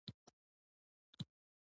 انسان کولای شي له هېڅه مانا جوړ کړي.